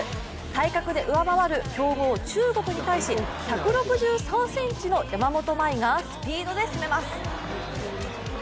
体格で上回る強豪・中国に対し、１６３ｃｍの山本麻衣がスピードで攻めます。